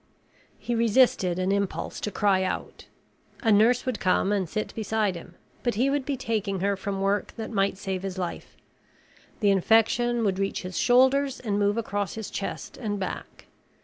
He resisted an impulse to cry out. A nurse would come and sit beside him, but he would be taking her from work that might save his life. The infection would reach his shoulders and move across his chest and back.